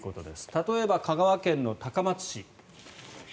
例えば香川県の高松市。